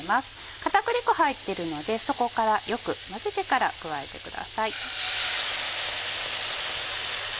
片栗粉入ってるので底からよく混ぜてから加えてください。